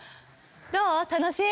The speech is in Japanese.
「どう楽しい？」